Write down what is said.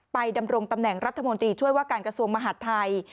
ดำรงตำแหน่งรัฐมนตรีช่วยว่าการกระทรวงมหาดไทย